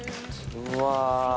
うわ。